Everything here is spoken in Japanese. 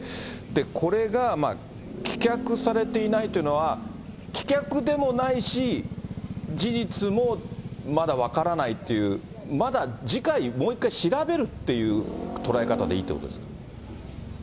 これが棄却されていないというのは、棄却でもないし、事実もまだ分からないっていう、まだ次回、もう一回調べるという捉え方でいいということですか。